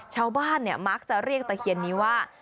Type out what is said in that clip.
ชาวบ้านมักจะเรียกตะเคียนนี้ว่า